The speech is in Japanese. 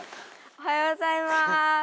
おはようございます。